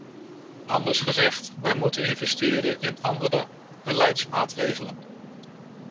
Anders gezegd, we moeten investeren in andere beleidsmaatregelen.